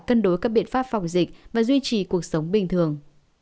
cân đối các biện pháp phòng dịch và duy trì cuộc sống bình thường